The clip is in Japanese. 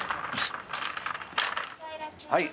はい。